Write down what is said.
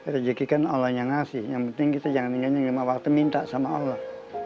rezeki kan allah yang ngasih yang penting kita jangan nyanyi lima waktu minta sama allah